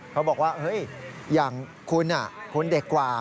เขาบอกว่าเฮ้ยอย่างคุณคุณเด็กกว่า